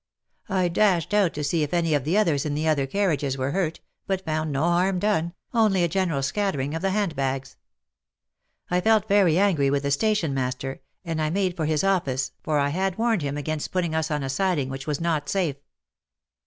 I dashed out to see if any of the others in the other carriages were hurt, but found no harm done, only a general scattering of the handbags. I felt very angry with the station master, and I made for his office, for I had warned him against putting us on a siding which was not safe.